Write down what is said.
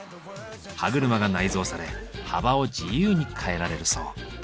歯車が内蔵され幅を自由に変えられるそう。